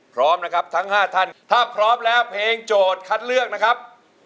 พร้อมนะครับทั้ง๕ท่านถ้าพร้อมแล้วเพลงโจทย์คัดเลือกนะครับ